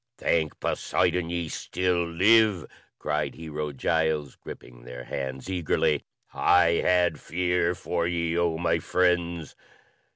"Thank Poseidon, ye still live!" cried Hero Giles, gripping their hands eagerly. "I had fear for ye, oh my friends."